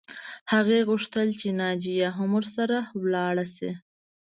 هغې غوښتل چې ناجیه هم ورسره لاړه شي